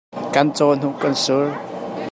Kan cawhnuk kan sur.